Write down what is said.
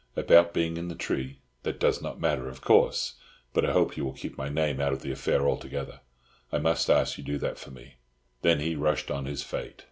"About being in the tree, that does not matter, of course, but I hope you will keep my name out of the affair altogether. I must ask you to do that for me." Then he rushed on his fate.